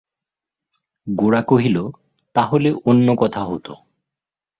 গোরা কহিল, তা হলে অন্য কথা হত।